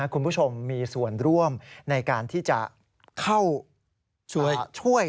คุณผู้ชมมีส่วนร่วมในการที่จะเข้าช่วย